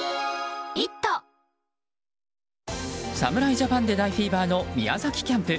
侍ジャパンで大フィーバーの宮崎キャンプ。